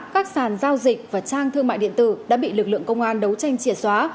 các sàn giao dịch và trang thương mại điện tử đã bị lực lượng công an đấu tranh triệt xóa